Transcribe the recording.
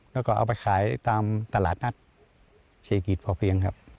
แล้วก็เอาไปขายตามตลาดนัดเศรษฐกิจพอเพียงครับ